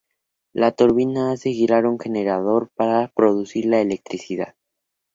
La turbina hace girar un generador para producir la electricidad.